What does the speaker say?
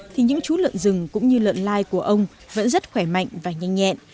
thì những chú lợn rừng cũng như lợn lai của ông vẫn rất khỏe mạnh và nhanh nhẹn